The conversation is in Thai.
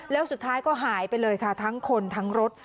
แล้วสุดท้ายก็หายไปเลยค่ะทั้งคนทั้งรถ